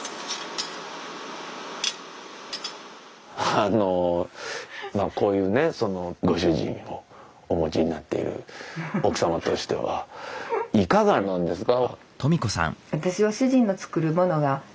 あのまあこういうねご主人をお持ちになっている奥様としてはいかがなんですか？